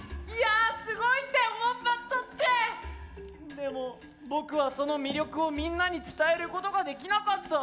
でも僕はその魅力をみんなに伝えることができなかった。